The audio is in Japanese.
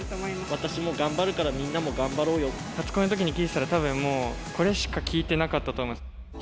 私も頑張るから、みんなも頑初恋のときに聴いてたら、たぶんもう、これしか聴いてなかったと思います。